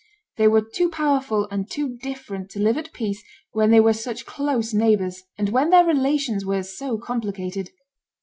They were too powerful and too different to live at peace when they were such close neighbors, and when their relations were so complicated.